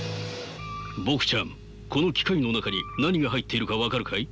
僕ちゃんこの機械の中に何が入っているか分かるかい？